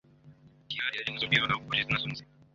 kihariye ari nazo twibandaho kuko arizo musemburo